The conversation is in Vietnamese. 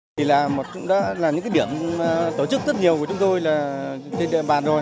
thì là một trong những điểm tổ chức rất nhiều của chúng tôi là trên địa bàn rồi